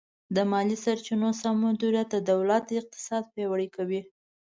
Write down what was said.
د مالي سرچینو سم مدیریت د دولت اقتصاد پیاوړی کوي.